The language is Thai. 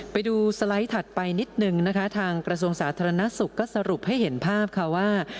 ไปดูสไลด์ถัดไปนิดนึงนะคะทางกระทรวงสาธารณสุขก็สรุปให้เห็นภาพค่ะว่า